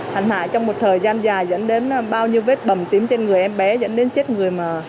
hẳn hạ trong một thời gian dài dẫn đến bao nhiêu vết bầm tím trên người em bé dẫn đến chết người mà